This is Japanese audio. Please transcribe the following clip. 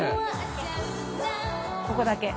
ここだけ。